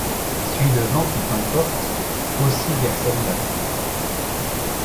Suis le vent qui t’emporte Aussi vers celle-là!